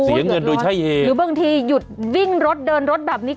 เสียเงินโดยใช้เหตุหรือบางทีหยุดวิ่งรถเดินรถแบบนี้